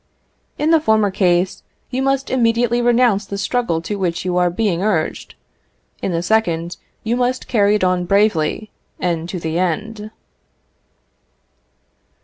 In the former case, you must immediately renounce the struggle to which you are being urged; in the second, you must carry it on bravely, and to the end.